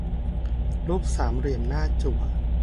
รูปสามเหลี่ยมหน้าจั่ว